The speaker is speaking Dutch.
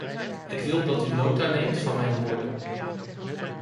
Ik wil dat u nota neemt van mijn woorden.